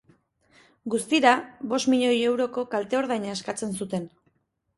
Guztira, bost milioi euroko kalte-ordaina eskatzen zuten.